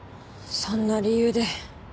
そんな理由で。